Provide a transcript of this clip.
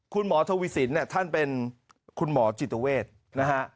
คุณหมอทวีสินเนี่ยท่านเป็นคุณหมอจิตเวทนะฮะ